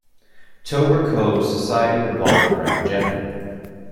Tober Cove's society revolves around gender.